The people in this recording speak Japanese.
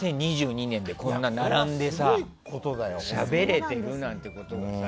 ２０２２年でこんな並んでしゃべれてるなんていうことがさ。